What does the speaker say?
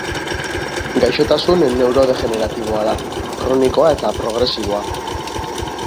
Gaixotasun neurodegeneratiboa da, kronikoa eta progresiboa.